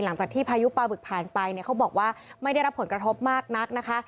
หลังจากที่พายุปลาบึกผ่านไปเนี่ยเขาบอกว่าไม่ได้รับผลกระทบมากนักนะคะ